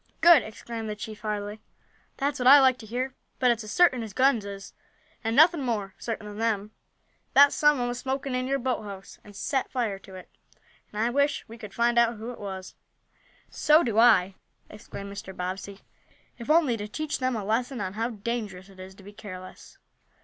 "Good!" exclaimed the chief heartily; "That's what I like to hear. But it's as certain as guns is, and nothing more certain than them, that some one was smoking in your boathouse, and set fire to it. And I wish we could find out who it was." "So do I!" exclaimed Mr. Bobbsey. "If only to teach them a lesson on how dangerous it is to be careless.